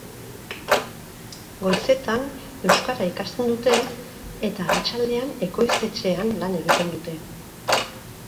Goizetan euskara ikasten dute eta arratsaldean ekoiztetxean lan egiten dute.